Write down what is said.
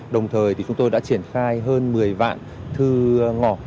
đồng thời thì chúng tôi đã triển khai hơn một mươi vạn thư ngỏ